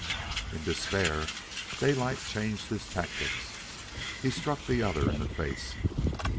In despair, Daylight changed his tactics. He struck the other in the face.